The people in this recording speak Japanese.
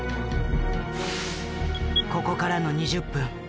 ここからの２０分。